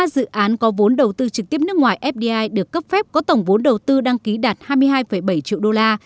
ba dự án có vốn đầu tư trực tiếp nước ngoài fdi được cấp phép có tổng vốn đầu tư đăng ký đạt hai mươi hai bảy triệu đô la